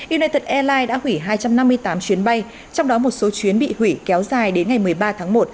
united airlines đã hủy hai trăm năm mươi tám chuyến bay trong đó một số chuyến bị hủy kéo dài đến ngày một mươi ba tháng một